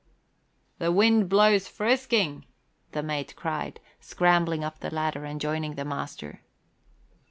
"The wind blows frisking," the mate cried, scrambling up the ladder and joining the master.